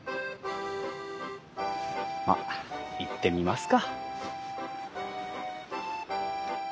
まあ行ってみますか。